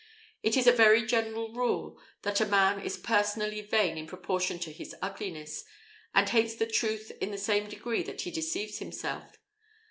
It is a very general rule, that a man is personally vain in proportion to his ugliness, and hates the truth in the same degree that he deceives himself.